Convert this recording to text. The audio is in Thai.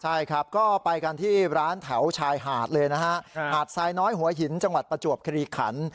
ใช่ครับก็ไปกันที่ร้านแถวชายหาดเลยนะฮะหาดทรายน้อยหัวหินจังหวัดประจวบคลีขัน